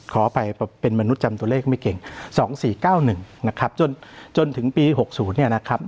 ขอไปเป็นมนุษย์จำตัวเลขไม่เก่งสองสี่เก้าหนึ่งนะครับจนจนถึงปีหกศูนย์เนี่ยนะครับ